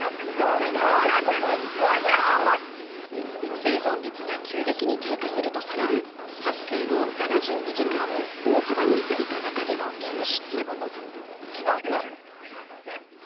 生存率が急激に低下するとされる発生後７２時間を大幅に過ぎた中での救出。